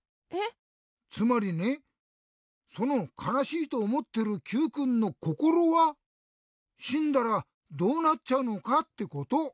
つまりねその「かなしい」とおもってるＱくんのこころはしんだらどうなっちゃうのかってこと。